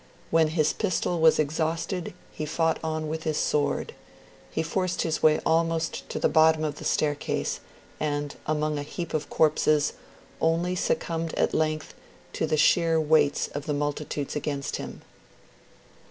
When his pistol was exhausted, he fought on with his sword; he forced his way almost to the bottom of the staircase; and, among, a heap of corpses, only succumbed at length to the sheer weight of the multitudes against him.